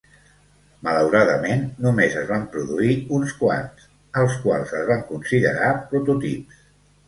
Malauradament, només es van produir uns quants, els quals es van considerar "prototips".